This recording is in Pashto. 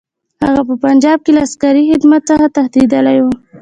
هغه په پنجاب کې له عسکري خدمت څخه تښتېدلی وو.